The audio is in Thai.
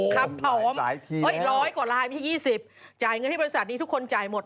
ครับผมร้อยกว่าลายไม่ใช่๒๐จ่ายเงินให้บริษัทนี้ทุกคนจ่ายหมด